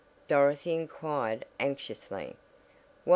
Dorothy inquired anxiously.